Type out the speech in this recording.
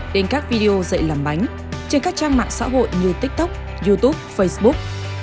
đến các video dạy làm bánh trên các trang mạng xã hội như tiktok youtube facebook